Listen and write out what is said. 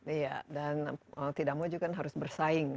iya dan mau tidak mau juga harus bersaing